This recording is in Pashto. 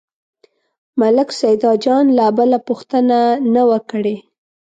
ملک سیدجان لا بله پوښتنه نه وه کړې.